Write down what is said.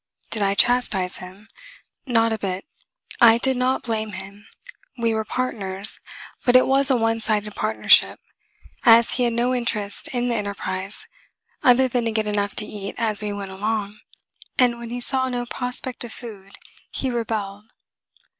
Did I chastise him? Not a bit. I did not blame him; we were partners, but it was a one sided partnership, as he had no interest in the enterprise other than to get enough to eat as we went along, and when he saw no prospect of food, he rebelled.